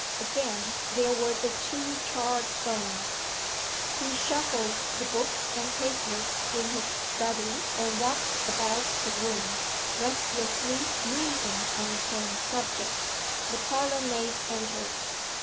Again, there were the two charred bones. He shuffled the books and papers in his study, and walked about the room, restlessly musing on the same subject. The parlour maid entered.